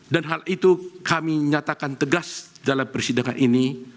dan hal itu kami nyatakan tegas dalam persidangan ini